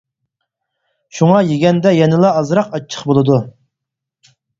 شۇڭا يېگەندە يەنىلا ئازراق ئاچچىق بولىدۇ.